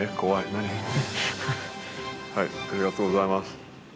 ありがとうございます。